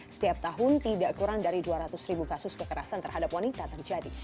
setiap tahun tidak kurang dari dua ratus ribu kasus kekerasan terhadap wanita terjadi